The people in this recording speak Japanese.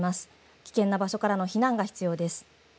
危険な場所からの避難が必要です。